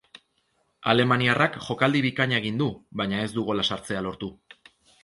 Alemaniarrak jokaldi bikaina egin du, baina ez du gola sartzea lortu.